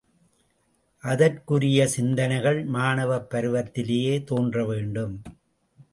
அதற்குரிய சிந்தனைகள் மாணவப் பருவத்திலேயே தோன்ற வேண்டும்.